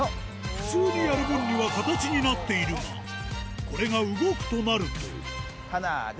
普通にやる分には形になっているがこれが動くとなるとそして